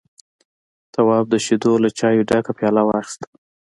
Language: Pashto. تواب د شيدو له چايو ډکه پياله واخيسته.